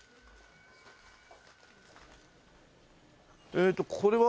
えーっとこれは？